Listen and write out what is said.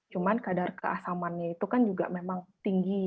cuman kadar keasamannya itu kan juga memang tinggi